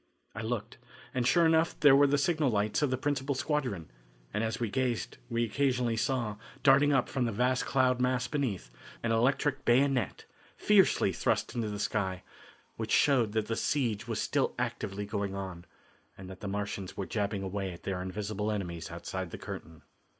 I looked, and sure enough there were the signal lights of the principal squadron, and as we gazed we occasionally saw, darting up from the vast cloud mass beneath, an electric bayonet, fiercely thrust into the sky, which showed that the siege was still actively going on, and that the Martians were jabbing away at their invisible enemies outside the curtain.